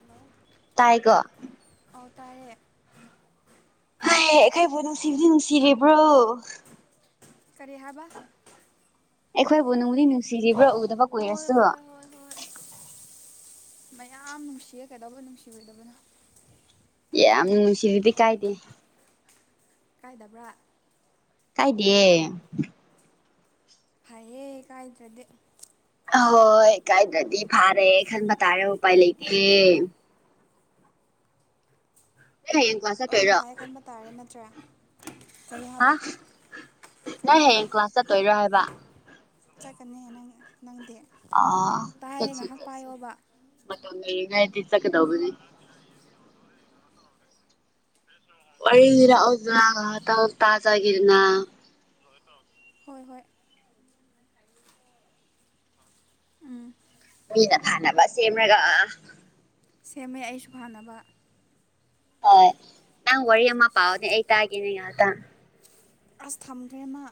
hello ꯇꯥꯏꯒꯣ ꯑꯥꯎ ꯇꯥꯏꯌꯦ ꯍꯥꯏ ꯑꯩꯈꯣꯏꯕꯨ ꯅꯨꯡꯁꯤꯕꯗꯤ ꯅꯨꯡꯁꯤꯔꯤꯕ꯭ꯔꯣ ꯀꯔꯤꯍꯕꯥ ꯑꯩꯈꯣꯏ ꯅꯨ ꯑꯗꯨ ꯅꯨꯡꯁꯤꯔꯤꯕ꯭ꯔꯥ ꯎꯗꯕ ꯍꯣꯏ ꯀꯨꯏꯔꯁꯨ ꯍꯣꯏ ꯍꯣꯏ ꯍꯣꯏ ꯃꯌꯥꯝ ꯅꯨꯡꯁꯤꯌꯦ ꯀꯩꯗꯧꯕ ꯅꯨꯡꯁꯤꯕꯤꯏꯗꯕꯅꯣ ꯌꯥꯝ ꯌꯥꯝꯅꯨꯡ ꯅꯨꯡꯁꯤꯕꯤꯗꯤ ꯀꯥꯏꯗꯦ ꯀꯥꯏꯗꯕ꯭ꯔꯥ ꯀꯥꯏꯗꯤꯌꯦ ꯍꯥꯏꯑꯌꯦ ꯀꯥꯏꯗ꯭ꯔꯗꯤ ꯑꯍꯣꯏ ꯀꯥꯏꯗꯗꯤ ꯐꯥꯔꯦ ꯈꯟꯕ ꯇꯥꯔꯦ ꯎꯄꯥꯏ ꯂꯩꯇꯦ ꯅꯪ ꯍꯌꯦꯡ ꯀ꯭ꯂꯥꯁ ꯂꯅ ꯆꯠꯇꯣꯏꯔꯣ ꯐꯩ ꯈꯟꯕ ꯇꯥꯔꯦ ꯅꯠꯇ꯭ꯔꯦ ꯀꯔꯤ ꯍꯥ ꯍꯥꯏꯕ ꯀꯔꯤ ꯅꯪ ꯍꯥꯏꯅꯣ ꯍꯌꯦꯡ ꯀ꯭ꯂꯥꯁ ꯆꯠꯇꯣꯏꯔꯣ ꯍꯥꯏꯕ ꯆꯠꯀꯅꯤ ꯅꯪ ꯅꯪꯗꯤ ꯑ‌ꯣ ꯇꯥꯏꯌꯦ ꯆꯠꯁꯤ ꯉꯥꯏꯍꯥꯛ ꯆꯠꯁꯤ ꯄꯥꯏꯌꯣꯕ ꯃꯇꯝ ꯂꯩꯔꯤꯉꯥꯏꯗꯗꯤ ꯆꯗꯕꯅꯤ ꯔꯖ꯭ꯔꯥ ꯇ ꯇꯥꯖꯥꯒꯤꯔꯅ ꯍꯣꯏ ꯍꯣꯏ ꯎꯝ ꯃꯤꯅ ꯐꯅꯕ ꯁꯦꯝꯃꯒ ꯑꯥ ꯁꯦꯝꯃꯦ ꯑꯩꯁꯨ ꯐꯥꯅꯕ ꯍꯣꯏ ꯅꯪ ꯋꯥꯔꯤ ꯑꯃ ꯄꯥꯅꯦ ꯑꯩ ꯇꯥꯒꯦꯅꯦ ꯉꯍꯥꯛꯇꯪ ꯑꯁ ꯊꯝꯈ꯭ꯔꯦ ꯃꯥ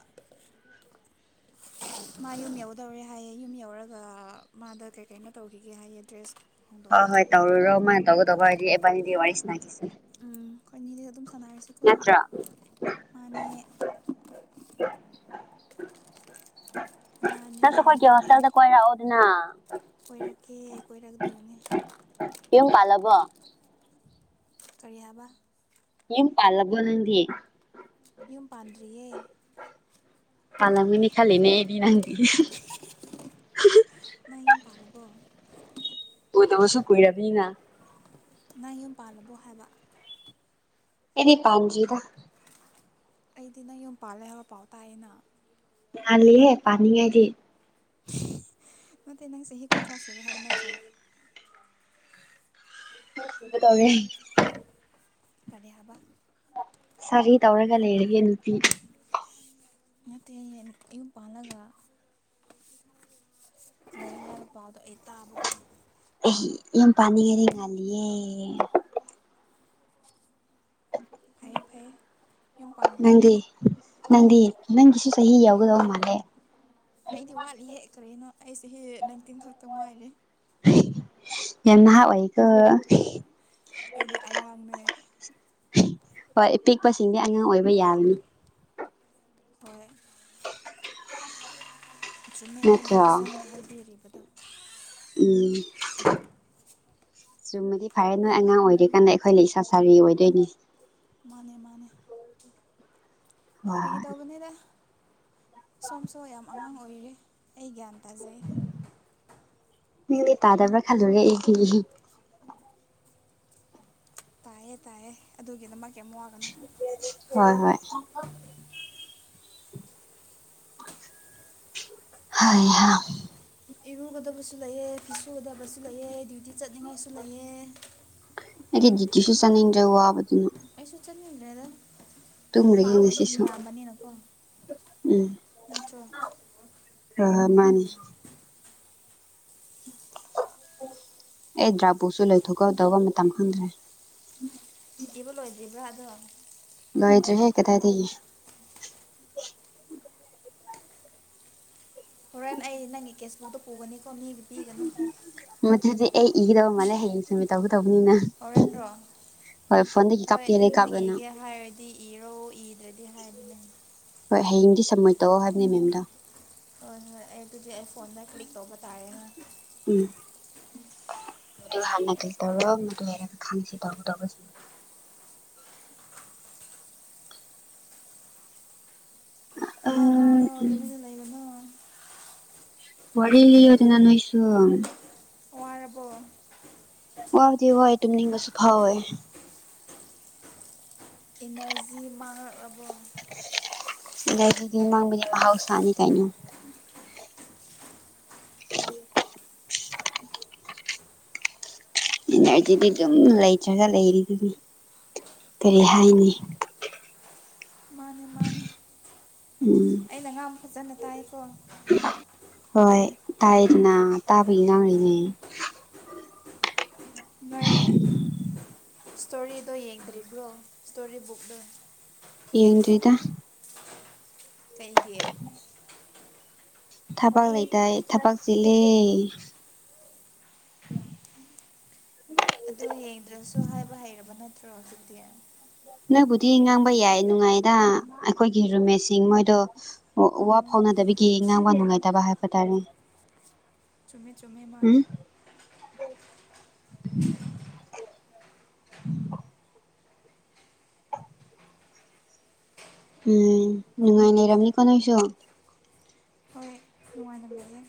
ꯃꯥ ꯌꯨꯝ ꯌꯧꯗꯧꯔꯦ ꯍꯥꯏꯌꯦꯦ ꯌꯨꯝ ꯌꯧꯔꯒ ꯃꯥꯗ ꯀꯩ ꯀꯩꯅꯣ ꯇꯧꯈꯤꯒꯦ ꯍꯥꯏꯌꯦ ꯗ꯭ꯔꯦꯁ ꯍ ꯍꯣꯡꯗꯣꯛꯄ ꯍꯣꯏ ꯈꯣꯠꯄ ꯇꯧꯔꯣ ꯃꯥꯍꯇꯔꯒ ꯇꯧꯕꯔ ꯍꯥꯏꯗꯤ ꯑꯦꯕꯥꯅꯤꯗꯤ ꯋꯥ ꯋꯥꯔꯤ ꯂꯥꯛꯁ ꯎꯝ ꯀꯅ ꯑꯗꯨ ꯑꯗꯨꯝ ꯁꯥꯟꯅꯔꯁꯤꯀꯣ ꯅꯠꯇ꯭ꯔꯣ ꯃꯥꯅꯦ ꯃꯥꯅꯦ ꯅꯁꯨ ꯑꯩꯈꯣꯏꯒꯤ ꯃꯥꯅꯦ ꯍꯣꯁꯇꯦꯜꯗ ꯀꯣꯏꯔꯛꯑꯣꯗꯅ ꯀꯣꯏꯔꯛꯀꯦ ꯀꯣꯏꯔꯛꯀꯗꯣꯏꯅꯦ ꯄꯨꯝ ꯄꯜꯕꯣ ꯀꯔꯤꯌꯥꯕ ꯍ ꯄꯥꯂꯛꯕ ꯅꯗꯤꯌꯦꯦ ꯌꯨꯝ ꯄꯥꯟꯗ꯭ꯔꯤꯌꯦ ꯄꯂꯃꯅꯤꯅꯤ ꯈꯜꯂꯤꯅꯦ ꯑꯦꯔꯤ ꯔꯥꯟꯗꯤ [inaudible] ꯅ ꯌꯨꯝ ꯄꯜ ꯍꯕꯣ ꯑꯣꯗꯕꯨꯁꯨ ꯀꯏꯔꯕꯤꯅ ꯅꯪ ꯌꯨꯝ ꯄꯥꯜꯂꯕꯣ ꯍꯥꯏꯕ ꯑꯦꯅꯤ ꯄꯗ ꯑꯩꯗꯤ ꯅꯪ ꯌꯨꯝ ꯄꯥꯜꯂꯦ ꯍꯥꯏꯕ ꯄꯥꯎ ꯇꯥꯛꯑꯦꯅ ꯑꯍꯦ ꯄꯅꯤ ꯍꯥꯏꯗꯤ ꯅꯠꯇꯦ ꯅꯪ ꯆꯍꯤ ꯀꯨꯟꯊ꯭ꯔꯥ ꯁꯨꯔꯦ ꯍꯥꯏꯕ ꯅꯠꯇ꯭ꯔꯣ ꯇꯒꯦ ꯀꯔꯤꯌꯥꯕ ꯁꯔꯤ ꯇꯧꯔꯒ ꯂꯩ ꯍꯒꯦ ꯅꯠꯇ ꯅꯠꯇꯦ ꯌꯌꯨꯝ ꯄꯥꯜꯂꯒ ꯂꯩ ꯄꯥꯎꯗꯣ ꯑꯩ ꯇꯥꯕ ꯌꯥꯝ ꯄꯅꯤꯒꯔꯤ ꯉꯜꯂꯤꯌꯦ ꯐꯩꯌꯦ ꯐꯩꯌꯦ ꯌꯨꯝ ꯄ ꯄꯥꯟꯕꯒꯅꯨ ꯅꯪꯗꯤ ꯅꯪꯗꯤ ꯅꯪꯒꯤꯁꯨ ꯆꯍꯤ ꯌꯥꯎꯒꯗꯕ ꯃꯥꯜꯂꯦ ꯑꯩꯗꯤ ꯋꯥꯠꯂꯤ ꯍꯦ ꯀ꯭ꯔꯦꯅꯣ ꯑꯩꯁꯦ ꯍꯦ ꯅꯪꯇꯤꯟ ꯈꯛꯇ ꯉꯥꯏꯔꯦ ꯌꯥꯝꯟꯅ ꯋꯥꯏꯒ ꯑꯩꯗꯤ ꯑꯉꯥꯡꯅꯦ ꯂꯄꯁꯤꯡꯗꯤ ꯑꯉꯥꯡ ꯑꯣꯏꯕ ꯌꯥꯒꯅꯤ ꯍꯣꯏ ꯑꯁꯨꯛꯅ ꯅꯪꯅ ꯅꯠꯇ꯭ꯔꯣ ꯁꯣꯝꯅ ꯍꯥꯏꯕꯤꯔꯤꯕꯗꯣ ꯎꯝ ꯆꯨꯝꯃꯗꯤ ꯐꯔꯦ ꯅꯣꯏ ꯑꯉꯥꯡ ꯑꯣꯏꯔꯤꯀꯥꯟꯗ ꯑꯩꯈꯣꯏ ꯂꯩ ꯏꯁꯥ ꯁꯥꯔꯤ ꯑꯣꯏꯗꯣꯏꯅꯦ ꯍꯣꯏ ꯐꯒ ꯍꯣꯏ ꯇꯧꯕꯅꯤꯗ ꯁꯣꯝꯁꯨ ꯌꯥꯝ ꯑꯉꯥꯡ ꯑꯣꯏꯔꯤ ꯑꯩ ꯅꯤ ꯇꯖꯩ ꯅꯪꯗꯤ ꯇꯥꯗꯕ꯭ꯔꯥ ꯈꯜꯂꯨꯔꯦ ꯑꯩꯗꯤ ꯇꯥꯏꯌꯦ ꯇꯥꯏꯌꯦ ꯑꯗꯨꯒꯤꯗꯃꯛ ꯀꯩꯝ ꯋꯥꯒꯅꯨ ꯍꯣꯏ ꯍꯣꯏ ꯍꯩꯍꯥ ꯏꯔꯨꯒꯗꯕꯁꯨ ꯂꯩꯑꯦ ꯐꯤꯁꯨꯨꯒꯗꯕꯁꯨ ꯂꯩꯑꯦ ꯗꯌꯨꯇꯤ ꯆꯠꯅꯤꯡꯉꯥꯏꯁꯨ ꯂꯩꯌꯦ ꯇꯤꯁꯨ ꯆꯠꯅꯤꯡꯗ꯭ꯔꯦ ꯋꯥꯕꯗꯨꯅ ꯆꯅꯤꯡꯗ꯭ꯔꯦꯗ ꯇꯨꯝꯈ꯭ꯔꯒꯤ ꯉꯁꯤꯁꯨ ꯎꯝ ꯅꯠꯇ꯭ꯔꯣ ꯍꯣꯏ ꯃꯥꯅꯤ ꯑꯩ ꯗ꯭ꯔꯥꯄꯨꯁꯨ ꯂꯩꯊꯣꯛꯀꯗꯧꯕ ꯃꯇꯝ ꯈꯪꯗ꯭ꯔꯦ ꯏꯕ ꯂꯣꯏꯗ꯭ꯔꯤꯕ꯭ꯔꯥ ꯕꯣ ꯂꯣꯏꯗ꯭ꯔꯤ ꯍꯦ ꯀꯗꯥꯏꯗꯒꯤ ꯍꯣꯔꯦꯟ ꯑꯩ ꯅꯪꯒꯤ ꯀꯦꯁꯕꯨꯛꯇ ꯄꯨꯒꯅꯤ ꯀ ꯃꯤꯒꯤ ꯄꯤꯒꯅꯤ ꯃꯗꯨꯗꯤ ꯑꯩ ꯏꯒꯗꯕ ꯃꯥꯜꯂꯦ ꯍꯌꯦꯡ ꯁꯃꯤ ꯇꯧ ꯍꯣꯔꯦꯟꯗ꯭ꯔꯣ ꯍꯣꯏ ꯐꯣꯟꯗꯒꯤ ꯍꯣꯏ ꯀꯥꯞꯀꯦ ꯍꯥꯏꯔꯗꯤ ꯅꯪ ꯀꯥꯞꯂꯣ ꯏꯒꯦ ꯍꯥꯏꯔꯗꯤ ꯏꯔꯣ ꯏꯗ꯭ꯔꯗꯤ ꯍꯥꯏꯕꯅꯦ ꯍꯣꯏ ꯍꯌꯦꯡꯗꯤ ꯁꯝꯃꯤꯠ ꯇꯧꯑꯣ ꯍꯥꯏꯕꯅꯦ ꯃꯦꯝꯗꯣ ꯍꯣꯏ ꯍꯣꯏ ꯑꯗꯨꯗꯤ ꯑꯩ ꯐꯣꯟꯗ ꯀꯂꯤꯛ ꯇꯧꯕ ꯇꯔꯦꯅ ꯎꯨꯝ ꯃ ꯍꯥꯟꯅ ꯀꯩꯇꯧꯔꯣ ꯃꯗꯨ ꯍꯥꯏꯔꯒ ꯈꯪꯁꯤ ꯇꯧꯒꯗꯕꯁꯤꯡꯗꯣ ꯑꯥ ꯑ ꯉꯥꯡꯉꯣ ꯎꯝ ꯇꯨꯃꯤꯟꯅ ꯂꯩꯒꯅꯣ ꯋꯥꯔꯤ ꯂꯤꯌꯨꯗꯅ ꯅꯣꯏꯁꯨ ꯋꯥꯔꯕꯣ ꯋꯥꯕꯨꯗꯤ ꯋꯥꯏ ꯇꯨꯝꯅꯤꯡꯕꯁꯨ ꯐꯥꯎꯋꯦ ꯏꯅꯔꯖꯤ ꯃꯥꯡꯔ ꯑꯕꯣ ꯂꯩꯗꯨꯗꯤ ꯃꯥꯡꯕꯗꯤ ꯃꯍꯥꯎꯁꯥꯅꯤ ꯀꯩꯅꯣ ꯎꯨꯝ ꯏꯅꯔꯖꯤꯗꯤ ꯑꯗꯨꯝ ꯂꯩꯇ꯭ꯔꯒ ꯂꯩꯔꯤꯗꯨꯅꯤ ꯀꯔꯤ ꯍꯥꯏꯅꯤ ꯃꯥꯟꯅꯤ ꯎꯝ ꯑꯩꯅ ꯉꯥꯡꯕ ꯐꯖꯅ ꯇꯥꯏꯀꯣ ꯍꯣꯏ ꯇꯥꯏꯗꯅ ꯇꯥꯕꯒꯤ ꯉꯥꯡꯂꯤꯅꯦ ꯅꯣꯏ ꯏꯁꯇꯣꯔꯤꯗꯣ ꯌꯦꯡꯗ꯭ꯔꯤꯕ꯭ꯔꯣ ꯏꯁꯇꯣꯔꯤ ꯕꯨꯛꯇꯣ ꯌꯦꯡꯗ꯭ꯔꯤꯗ ꯀꯩꯒꯤ ꯊꯕꯛ ꯂꯩꯇꯥ ꯊꯕꯛ ꯆꯤꯜꯂꯦ ꯑꯥ ꯑꯗ ꯌꯦꯡꯗ꯭ꯔꯁꯨ ꯍꯥꯏꯕ ꯍꯩꯔꯕ ꯅꯠꯇ꯭ꯔꯣ ꯑꯗꯨꯖꯤꯛꯇꯗꯤ ꯅꯪꯕꯨꯗꯤ ꯉꯥꯡꯕ ꯌꯥꯏ ꯅꯨꯡꯉꯥꯏꯗ ꯑꯩꯈꯣꯏꯒꯤ ꯔꯨꯝꯃꯦꯠꯁꯤꯡ ꯃꯣꯏꯗꯣ ꯑꯣ ꯋꯥ ꯎꯝ ꯐꯥꯎꯅꯗꯕꯒꯤ ꯉꯥꯡꯕ ꯅꯨꯡꯉꯥꯏꯇꯦ ꯇꯕ ꯍꯥꯏꯦ ꯐꯇꯥꯔꯦ ꯆꯨꯝꯃꯦ ꯆꯨꯝꯃꯦꯃꯦꯃꯅ ꯎꯝ ꯎꯝ ꯅꯨꯡꯉꯥꯏ ꯂꯩꯔꯝꯅꯤꯀꯣ ꯅꯣꯏꯁꯨ ꯍꯣꯏ ꯅꯨꯡꯉꯥꯏꯅ ꯂꯩꯌꯦ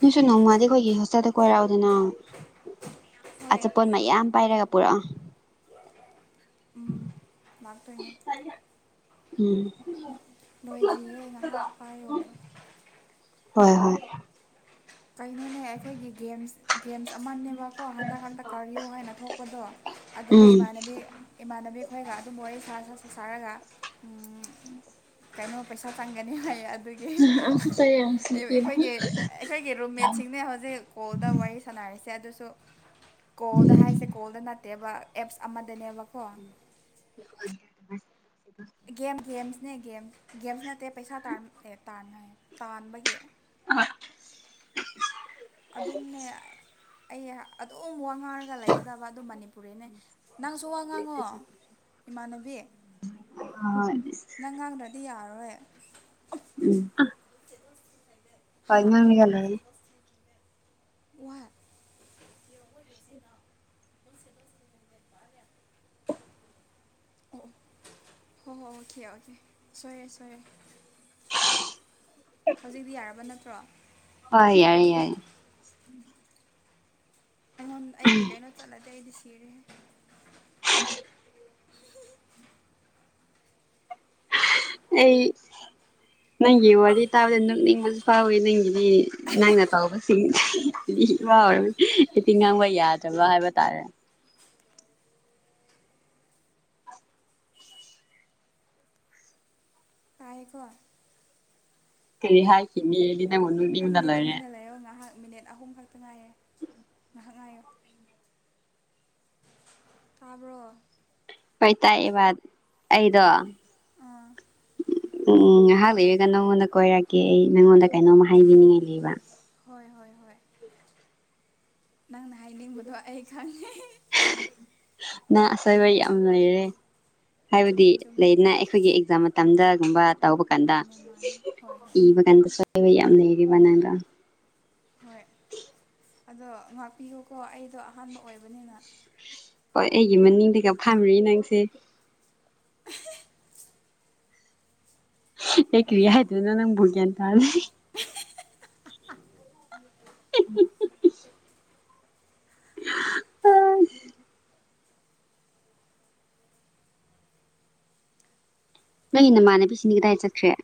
ꯅꯣꯏꯁꯨ ꯅꯣꯡꯃꯗꯤ ꯑꯩꯈꯣꯏꯒꯤ ꯍꯣꯁꯇꯦꯜꯗ ꯀꯣꯏꯔꯛꯑꯣꯗꯅ ꯍꯣꯏ ꯑꯆꯥꯄꯣꯠ ꯃꯌꯥꯝ ꯄꯥꯏꯔꯒ ꯄꯨꯔꯛꯑꯣ ꯎꯝ ꯃꯥꯛꯇꯅ ꯎꯝ ꯕꯣꯏꯗ꯭ꯔꯤꯉꯩ ꯉꯥꯏꯍꯥꯛ ꯄꯥꯏꯌꯣ ꯍꯣꯏ ꯍꯣꯏ ꯀꯩꯅꯣꯅꯦ ꯑꯩꯈꯣꯏꯒꯤ ꯒꯦꯝꯁ ꯒꯦꯝꯁ ꯑꯃꯅꯦꯕꯀꯣ ꯍꯟꯗꯛ ꯍꯥꯛꯛꯇ ꯀꯥꯔꯤꯌꯣ ꯍꯥꯏꯅ ꯊꯣꯛꯄꯗꯣ ꯑꯗꯨꯗ ꯎꯝ ꯏꯃꯥꯟꯅꯕꯤ ꯏꯃꯥꯟꯅꯕꯤ ꯑꯩꯈꯣꯏꯒ ꯑꯗꯨꯝꯝꯕ ꯋꯥꯔꯤ ꯁꯥꯔꯒ ꯎꯝ ꯀꯩꯅꯣ ꯄꯩꯁꯥ ꯇꯪꯒꯅꯤ ꯍꯥꯏ ꯑꯁꯨ ꯇꯥꯏ ꯑꯁꯤ ꯄꯅ ꯑꯩꯈꯣꯏꯒꯤ ꯔꯨꯝꯃꯦꯠꯁꯤꯡꯅꯦ ꯍꯧꯖꯤꯛ ꯀꯣꯜꯗ ꯋꯥꯔꯤ ꯁꯥꯟꯅꯔꯤꯁꯦ ꯑꯗꯨ ꯇ ꯀꯣꯜꯗ ꯍꯥꯏꯁꯦ ꯀꯣꯜꯗ ꯅꯠꯇ ꯅꯦꯕ ꯑꯦꯞꯁ ꯑꯃꯗꯅꯦꯕ ꯎꯝ ꯦꯝ ꯒꯦꯝ ꯅ ꯒꯦꯝ ꯒꯦꯝꯁ ꯅꯠꯇꯦ ꯄꯩꯁꯥ ꯇꯅ ꯇꯥꯟꯕꯒꯤ ꯑ ꯑꯗꯨꯝꯅꯦ ꯑꯩ ꯑꯗꯨ ꯋꯥ ꯉꯥꯡꯉꯔꯒ ꯂꯩꯒꯗꯕ ꯑꯗꯨ ꯃꯅꯤꯄꯨꯔꯤꯅꯦ ꯅꯪꯁꯨ ꯋꯥ ꯉꯥꯡꯉꯣ ꯏꯃꯥꯟꯅꯕꯤ ꯅꯪ ꯉꯥꯡꯗ꯭ꯔꯗꯤ ꯌꯥꯔꯔꯣꯏ ꯎꯝ ꯍꯥ ꯑꯅ ꯃꯤꯒꯂꯅꯤ ꯋꯥꯍ ꯑꯣ ꯍꯣ ꯍꯣ ꯑꯣꯀꯦ ꯑꯣꯀꯦ ꯁꯣꯏꯔꯦ ꯁꯣꯏꯔꯦ ꯍꯧꯖꯤꯛꯇꯤ ꯌꯥꯔꯕ ꯅꯠꯇ꯭ꯔꯣ ꯍ ꯌꯥꯔꯦ ꯌꯥꯔꯦ ꯑꯩꯉ ꯑꯩꯒꯤ ꯀꯩꯅꯣ ꯆꯠꯂꯗꯤꯦ ꯑꯩꯗꯤ ꯁꯤ [inaudible] [inaudible] ꯑꯩ ꯅꯪꯒꯤ ꯋꯥꯔꯤ ꯇꯥꯕꯗ ꯅꯣꯛꯅꯤꯡꯕꯁꯨ ꯐꯥꯎꯋꯤ ꯅꯪꯒꯤꯗꯤ ꯅꯪꯅ ꯇꯧꯕꯁꯤꯡ ꯏꯔ ꯍꯛꯇꯤ ꯉꯥꯡꯕ ꯌꯥꯗ꯭ꯔꯕ ꯍꯥꯏꯕ ꯇꯥꯔꯦ ꯑꯩꯀꯣ ꯀꯔꯤꯍꯥꯏ ꯗ ꯅꯪꯗꯤ ꯂꯩꯔꯅꯦ ꯇꯨꯃꯤꯟꯅ ꯂꯩꯌꯣ ꯉꯥꯏꯍꯥꯛ ꯃꯤꯅꯤꯠ ꯑꯍꯨꯝ ꯈꯛꯇ ꯉꯥꯏꯔꯦ [inaudible] ꯪꯉꯌꯣ ꯇꯥꯕ꯭ꯔꯣ ꯍꯣꯏ ꯇꯥꯛꯑꯕ ꯑꯩꯗꯣ ꯑꯥ ꯎꯝ ꯉꯥꯏꯍꯥꯛ ꯂꯩꯔꯒ ꯅꯪꯉꯣꯟꯗ ꯀꯣꯏꯔꯛꯀꯦ ꯑꯩ ꯅꯪꯉꯣꯟꯗ ꯀꯩꯅꯣꯝꯃ ꯍꯥꯏꯕꯤꯅꯤꯡꯉꯥꯏ ꯂꯩꯕ ꯍꯣꯏ ꯍꯣꯏ ꯍꯣꯏ ꯅꯪꯅ ꯍꯥꯏꯅꯤꯡꯕꯗꯣ ꯑꯩ ꯈꯪꯉꯦ ꯅꯪ ꯑꯁꯣꯏꯕ ꯌꯥꯝ ꯂꯩꯔꯦ ꯍꯥꯏꯕꯗꯤ ꯆꯨꯝꯃꯦ ꯆꯨꯝꯃꯦ ꯂꯩꯅ ꯑꯩꯈꯣꯏꯒꯤ ꯑꯦꯛꯖꯥꯝ ꯃꯇꯝꯗ ꯕꯥ ꯕ ꯀꯥꯟꯗ ꯃꯥꯅꯦ ꯃꯥꯅꯦ ꯍꯣꯏ ꯍꯣꯏ ꯏꯕ ꯀꯗ ꯁꯕ ꯌꯥꯝ ꯂꯩꯔꯤ ꯋꯥꯅꯗ ꯍꯣꯏ ꯑꯗꯣ ꯉꯥꯛꯄꯤꯌꯨꯀꯣ ꯑꯩꯗꯣ ꯑꯍꯥꯟꯕ ꯑꯣꯏꯕꯅꯤꯅ ꯍꯣꯏ ꯑꯩꯒꯤ ꯃꯅꯤꯡꯗꯤꯒ ꯐꯝꯔꯤ ꯅꯪꯁꯦ ꯍ ꯀ꯭ꯔꯤꯌꯥ ꯍꯥꯏꯗꯅ ꯅꯪ ꯨꯔꯒꯦ ꯇ [inaudible] ꯅꯣꯏꯒꯤ ꯅꯃꯥꯟꯅꯕꯤꯁꯤꯅꯤ ꯀꯗꯥꯏ ꯆꯠꯈ꯭ꯔꯦ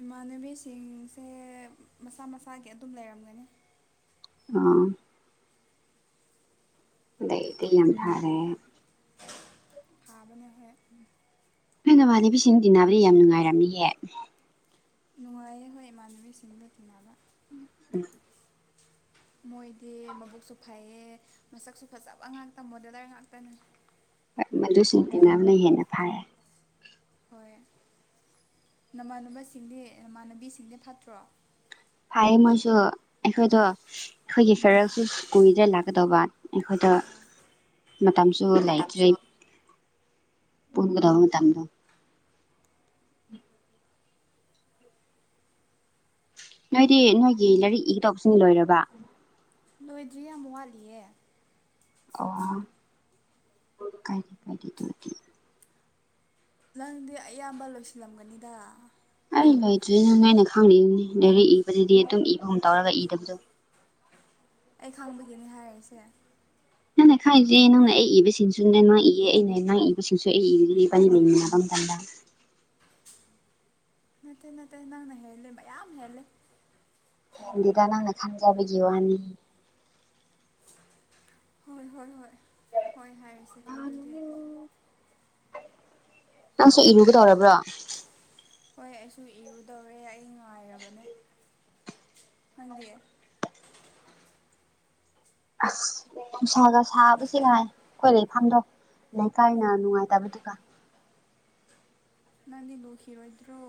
ꯏꯃꯥꯟꯅꯕꯤꯁꯤꯡꯁꯦ ꯃꯁꯥ ꯃꯁꯥꯒꯤ ꯑꯗꯨꯝ ꯂꯩꯔꯝꯒꯅꯤ ꯑꯥ ꯑꯗꯩꯗꯤ ꯌꯥꯝꯗꯔꯦ ꯍꯥꯥꯕꯅ ꯍ ꯑꯩ ꯅꯃꯙꯕꯤꯁꯤꯡꯅ ꯇꯤꯟꯅꯕꯗꯤ ꯌꯥꯝ ꯅꯨꯡꯉꯥꯏꯔꯝꯅꯤꯍꯦ ꯅꯨꯡꯉꯥꯏꯌꯦ ꯍꯣꯏ ꯏꯃꯥꯟꯅꯕꯤꯁꯤꯡꯒ ꯊꯦꯡꯅꯕ ꯎꯝ ꯃꯣꯏꯗꯦ ꯃꯕꯨꯛꯁꯨ ꯐꯩꯌꯦ ꯃꯁꯛꯁꯨ ꯐꯖꯕ ꯉꯥꯛꯇ ꯃꯣꯗꯂꯔ ꯉꯥꯛꯇꯅꯤ ꯃꯗꯨꯁꯤꯡ ꯇꯤꯅꯕꯅ ꯍꯦꯟꯅ ꯐꯦ ꯍꯣꯏ ꯅꯃꯥꯟꯅꯕꯁꯤꯡꯗꯤ ꯅꯃꯥꯟꯅꯕꯤꯁꯤꯡꯗꯤ ꯐꯠꯇ꯭ꯔꯣ ꯐꯌꯦ ꯃꯣꯏꯁꯨ ꯑꯩꯈꯣꯏꯗꯣ ꯑꯩꯈꯣꯏꯒꯤ ꯐꯦꯔꯜꯁꯨ ꯀꯨꯏꯗ ꯂꯥꯛꯀꯗꯧꯕ ꯑꯩꯈꯣꯏꯗ ꯃꯇꯝꯁꯨ ꯂꯩꯇ꯭ꯔꯤ ꯃꯇꯝꯁꯨ ꯄꯨꯒ꯭ꯔ ꯇꯝꯕꯗꯣ ꯅꯣꯏꯗꯤ ꯅꯣꯏꯒꯤ ꯂꯥꯏꯔꯤꯛ ꯏꯒ ꯇꯧꯕꯁꯤꯅꯤ ꯂꯣꯏꯔꯕ ꯂꯣꯏꯗ꯭ꯔꯤ ꯌꯥꯝꯨ ꯋꯥꯠꯂꯤꯌꯦ ꯑ ꯀꯥꯏꯗꯤ ꯀꯥꯏꯗꯤ ꯇꯇ ꯅꯪꯗꯤ ꯑꯌꯥꯝꯕ ꯂꯣꯏꯁꯤꯜꯂꯝꯒꯅꯤꯗ ꯑꯩ ꯂꯩꯣꯏꯗ꯭ꯔꯦꯅ ꯅꯣꯏꯅ ꯈꯪꯅꯤꯡꯅꯤ ꯂꯥꯏꯔꯤꯛ ꯏꯕꯗꯨꯗꯤ ꯑꯗꯨꯝ ꯏꯕꯒꯨꯝ ꯇꯧꯔꯒ ꯏꯗꯕꯗꯣ ꯑꯩ ꯈꯪꯕꯒꯤꯅꯦ ꯍꯥꯏꯔꯛꯏꯁꯦ ꯅꯪꯅꯦ ꯈꯪꯁꯦ ꯅꯪꯅ ꯑꯩ ꯏꯕꯁꯤꯡꯁꯨ ꯅꯪ ꯏꯑꯦ ꯑꯩꯅ ꯅꯪ ꯏꯕꯁꯤꯡꯁꯨ ꯑꯩ ꯏ ꯋꯥꯔꯤ ꯂꯩꯃꯤꯟꯅꯕ ꯃꯇꯝꯗ ꯅꯠꯇꯦ ꯅꯠꯇꯦ ꯅꯪꯅ ꯍꯦꯜꯂꯦ ꯃꯌꯥꯝ ꯍꯦꯜꯂꯦ ꯍꯗꯤꯦꯗ ꯅꯪꯅ ꯈꯥꯟꯖꯕꯒꯤꯦꯨ ꯑꯅꯤ ꯍꯣꯏ ꯍꯣꯏ ꯍꯣꯏ ꯍꯣꯏ ꯍꯥꯏꯔꯁꯦꯀꯣ ꯑꯗꯨꯗꯤ ꯅꯪꯁꯨ ꯏꯔꯨꯕ ꯇꯧꯔꯕ꯭ꯔꯥ ꯍꯣꯏ ꯑꯩꯁꯨ ꯏꯔꯨꯗꯧꯔꯦ ꯑꯩ ꯉꯥꯏꯔꯕꯅꯦ ꯈꯪꯗꯦ ꯑꯁ ꯎꯅꯨꯡꯁꯥꯒ ꯁꯥꯕꯕꯁꯤ ꯂ ꯑꯩꯈꯣꯏ ꯂꯩꯐꯝꯗꯣ ꯂꯩꯀꯥꯏꯅ ꯅꯨꯡꯉꯥꯏꯇꯕꯗꯨꯒ ꯅꯪꯜꯂꯤ ꯂꯈꯤꯔꯣꯣꯏꯗ꯭ꯔꯣ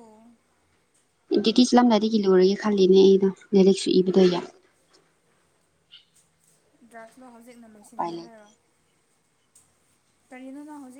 ꯗꯌꯇꯤꯤꯁꯂꯝꯗꯥꯏꯗꯒꯤ ꯂꯣꯏꯨꯔꯒꯦ ꯈꯜꯂꯤꯅꯦ ꯑꯩꯅ ꯂꯥꯏꯔꯤꯛꯁꯨ ꯏꯕꯗꯣ ꯌꯥ ꯗ꯭ꯔꯥꯁꯃ ꯍ ꯍꯧꯖꯤꯛꯅ ꯎꯄꯥꯏ ꯂꯣꯏꯁꯤꯟꯒꯦ ꯂꯩꯇꯦ ꯍꯥꯏꯔꯣ ꯇꯔꯤꯅꯣ ꯇ ꯍꯧꯖꯤ